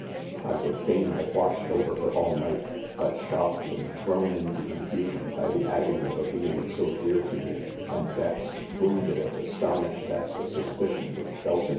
I would fain have ¥/atched over her all night, but shock 206 . .JDOMEN. ' ed and thrown into c.onfusion: , by the agony of a being so dear to me; and vexed, wounded, and astonished at the suspicion which Belton.